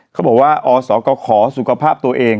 เขาบอกว่าอศกขสุขภาพตัวเอง